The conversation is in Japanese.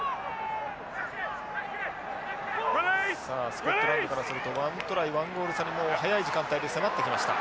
スコットランドからすると１トライ１ゴール差に早い時間帯で迫ってきました。